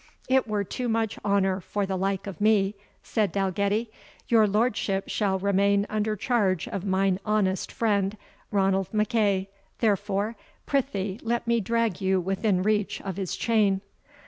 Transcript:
"It were too much honour for the like of me," said Dalgetty; "your lordship shall remain under charge of mine honest friend Ranald MacEagh; therefore, prithee let me drag you within reach of his chain.